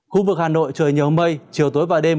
khu vực hà nội trời nhiều mây chiều tối và đêm